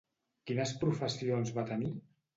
Quines professions va tenir?